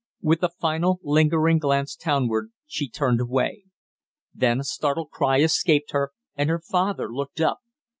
With a final lingering glance townward, she turned away. Then a startled cry escaped her, and her father looked up.